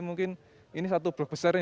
mungkin ini satu blok besarnya